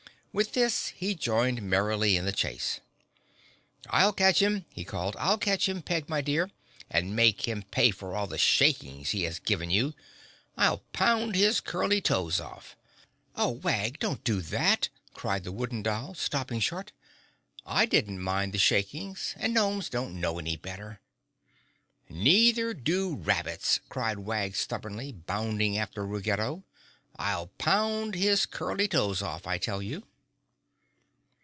With this he joined merrily in the chase. "I'll catch him!" he called, "I'll catch him, Peg, my dear, and make him pay for all the shakings he has given you. I'll pound his curly toes off!" "Oh, Wag! Don't do that," cried the Wooden Doll, stopping short. "I didn't mind the shakings and gnomes don't know any better!" "Neither do rabbits!" cried Wag stubbornly, bounding after Ruggedo. "I'll pound his curly toes off, I tell you!"